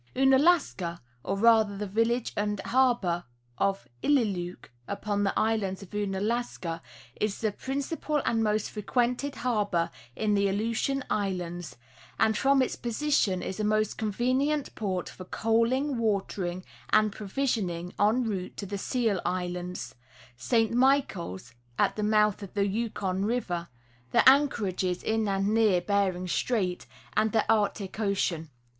Ounalaska, or rather the village and harbor of Iiuluk, upon the island of Ounalaska, is the principal and most frequented har bor in the Aleutian islands, and from its position is a most convenient port for coaling, watering and provisioning en route to the Seal islands, St. Michaels (at the mouth of the Yukon river), the anchorages in and near Bering strait, and the Arctic ocean.